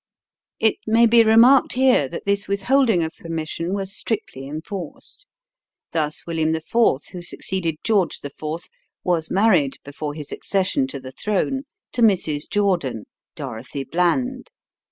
It may be remarked here that this withholding of permission was strictly enforced. Thus William IV., who succeeded George IV., was married, before his accession to the throne, to Mrs. Jordan (Dorothy Bland).